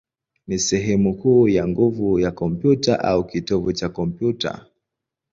ni sehemu kuu ya nguvu ya kompyuta, au kitovu cha kompyuta.